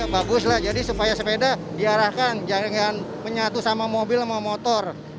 bagus lah jadi supaya sepeda diarahkan jangan menyatu sama mobil sama motor